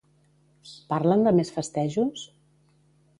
Parlen de més festejos?